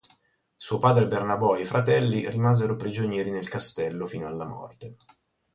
Suo padre Bernabò e i fratelli rimasero prigionieri nel castello fino alla morte.